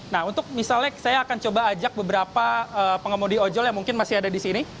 nah untuk misalnya saya akan coba ajak beberapa pengemudi ojol yang mungkin masih ada di sini